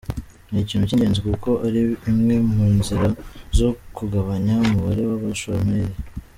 Ni ikintu cy’ingenzi kuko ari imwe mu nzira zo kugabanya umubare w’abashomeri.